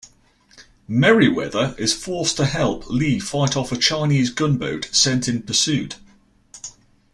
Merryweather is forced to help Lee fight off a Chinese gunboat sent in pursuit.